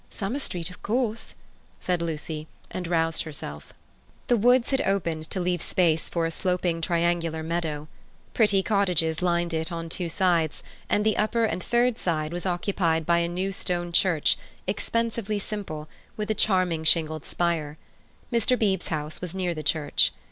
"Summer Street, of course," said Lucy, and roused herself. The woods had opened to leave space for a sloping triangular meadow. Pretty cottages lined it on two sides, and the upper and third side was occupied by a new stone church, expensively simple, a charming shingled spire. Mr. Beebe's house was near the church.